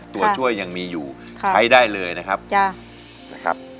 ตัวช่วยยังมีอยู่ใช้ได้เลยนะครับ